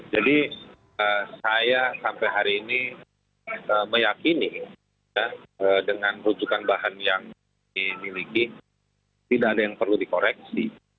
jadi saya sampai hari ini meyakini dengan rujukan bahan yang dimiliki tidak ada yang perlu dikoreksi